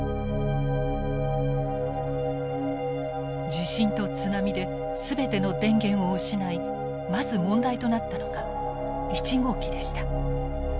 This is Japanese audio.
地震と津波で全ての電源を失いまず問題となったのが１号機でした。